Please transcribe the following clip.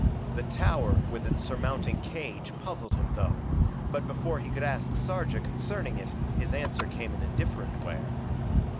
The tower with its surmounting cage puzzled him though, but before he could ask Sarja concerning it his answer came in a different way.